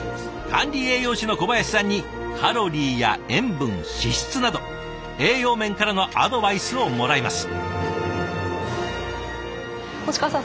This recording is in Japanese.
管理栄養士の小林さんにカロリーや塩分脂質など栄養面からのアドバイスをもらいます。